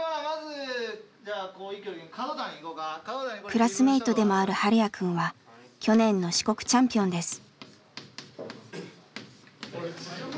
クラスメイトでもあるハルヤくんは去年の四国チャンピオンです。